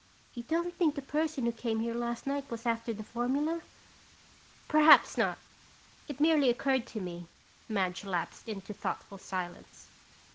You don't think the person who came here last night was after the formula?" "Perhaps not. It merely occurred to me." Madge lapsed into thoughtful silence.